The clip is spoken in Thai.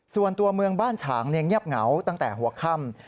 ส่วนตัวเมืองบ้านฉางเงียบเหงาตั้งแต่หัวค่ำ